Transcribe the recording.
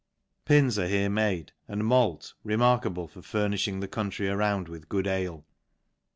Pins are here made, and malt, remarkable for fur n idling the country around with good ale.